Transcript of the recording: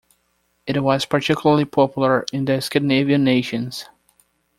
It was particularly popular in the Scandinavian nations.